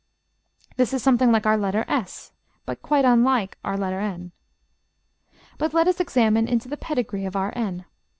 This is something like our letter S, but quite unlike our N. But let us examine into the pedigree of our n.